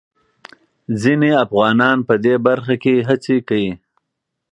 ځينې افغانان په دې برخه کې هڅې کوي.